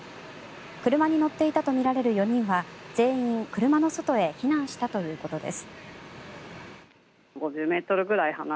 車に乗っていたとみられる４人は全員、車の外に避難したということです。